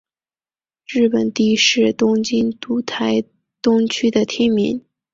日本堤是东京都台东区的町名。